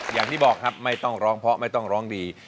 อย่างที่บอกครับไม่ต้องร้องเพราะไม่ต้องร้องดี